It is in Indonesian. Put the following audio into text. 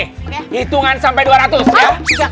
hitungan sampai dua ratus ya